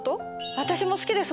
「私も好きです」